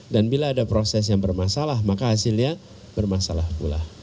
dan bila ada proses yang bermasalah maka hasilnya bermasalah pula